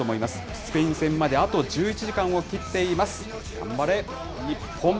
スペイン戦まであと１１時間を切っています。